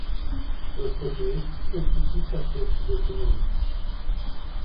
Vă sfătuiesc să citiți acest document.